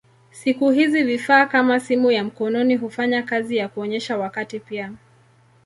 Siku hizi vifaa kama simu ya mkononi hufanya kazi ya kuonyesha wakati pia.